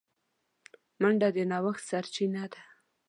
منډه د نوښت سرچینه ده